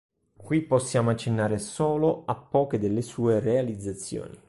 Qui possiamo accennare solo a poche delle sue realizzazioni.